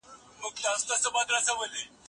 دولت د ټولنې د امنيت مسووليت لري.